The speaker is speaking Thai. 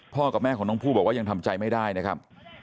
กับแม่ของน้องผู้บอกว่ายังทำใจไม่ได้นะครับ